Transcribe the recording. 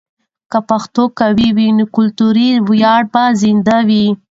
که پښتو قوي وي، نو کلتوري ویاړ به زنده وي.